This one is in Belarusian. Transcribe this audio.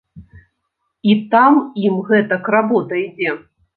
І там ім гэтак работа ідзе.